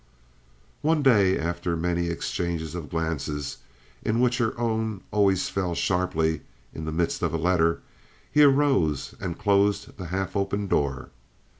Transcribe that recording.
One day, after many exchanges of glances in which her own always fell sharply—in the midst of a letter—he arose and closed the half open door.